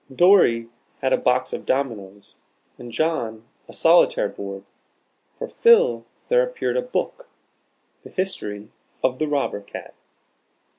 Dorry had a box of dominoes, and John a solitaire board. For Phil there appeared a book "The History of the Robber Cat."